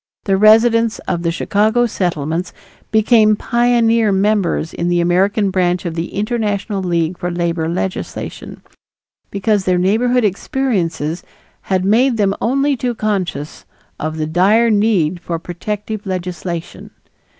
The residents in the Chicago Settlements became pioneer members in the American branch of the International League for Labor Legislation, because their neighborhood experiences had made them only too conscious of the dire need for protective legislation.